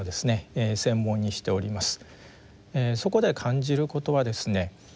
そこで感じることはですね